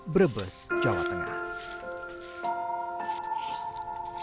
brebes jawa tengah